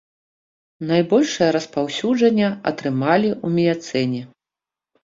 Найбольшае распаўсюджванне атрымалі ў міяцэне.